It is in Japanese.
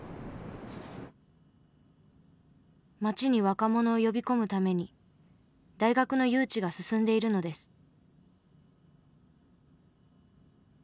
街に若者を呼び込むために大学の誘致が進んでいるのです。